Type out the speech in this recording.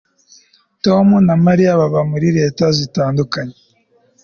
Tom na Mariya baba muri leta zitandukanye